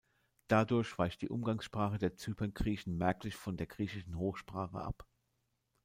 Dadurch weicht die Umgangssprache der Zyperngriechen merklich von der griechischen Hochsprache ab.